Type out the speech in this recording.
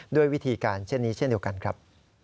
ด้วยวิธีการเช่นนี้เช่นเดียวกันครับ